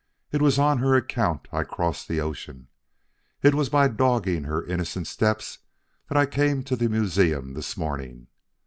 It was on her account I crossed the ocean. It was by dogging her innocent steps that I came to the museum this morning.